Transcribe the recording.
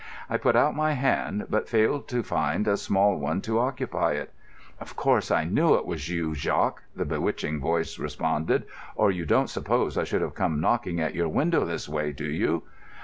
I put out my hand, but failed to find a small one to occupy it. "Of course, I knew it was you, Jacques," the bewitching voice responded, "or you don't suppose I should have come knocking at your window this way, do you?"